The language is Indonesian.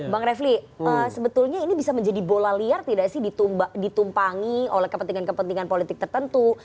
bang refli sebetulnya ini bisa menjadi bola liar tidak sih ditumpangi oleh kepentingan kepentingan politik tertentu